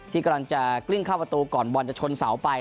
ที่กำลังจะกลิ้งเข้าประตูก่อนบอลจะชนเสาไป